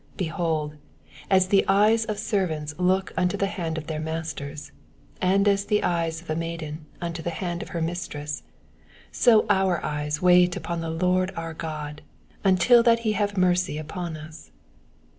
2 Behold, as the eyes of servants look unto the hand of their masters, and as the eyes of a maiden unto the hand of her mistress ; so our eyes wail upon the Lord our God, until that he have mercy upon us.